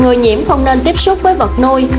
người nhiễm không nên tiếp xúc với vật nuôi